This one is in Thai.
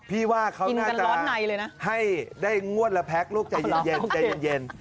พี่ว่าเขาน่าจะให้ได้งวดละแพ็กลูกใจเย็น